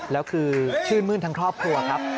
แล้วคือชื่นมื้นทั้งครอบครัวครับ